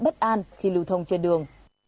nhiều người dân bất an khi lưu thông trên đường